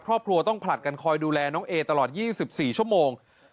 ครอบครัวต้องผลัดกันคอยดูแลน้องเอตลอด๒๔ชั่วโมง